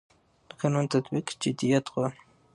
د قانون تطبیق جديت غواړي